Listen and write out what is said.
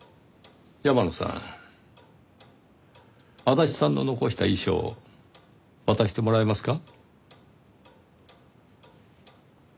山野さん足立さんの残した遺書を渡してもらえますか？